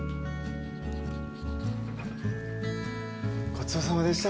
ごちそうさまでした。